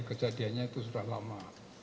kejadiannya itu sudah lama